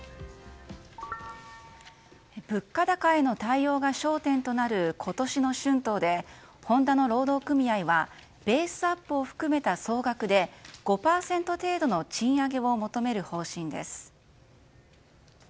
物価高への対応が焦点となる今年の春闘でホンダの労働組合はベースアップを含めた総額で５％程度の賃上げを求める方針です。